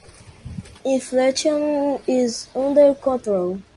Inflation is under control.